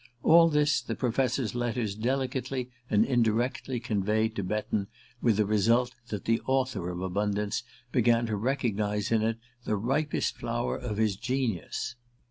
All this the professor's letters delicately and indirectly conveyed to Betton, with the result that the author of "Abundance" began to recognize in it the ripest flower of his genius.